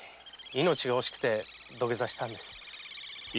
命が惜しくて土下座したのです。